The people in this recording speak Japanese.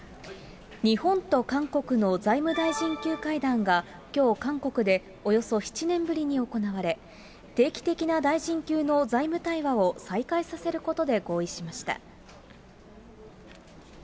日本と韓国の財務大臣級会談が、きょう韓国でおよそ７年ぶりに行われ、定期的な大臣級の財務対話を再開させることで合意しました。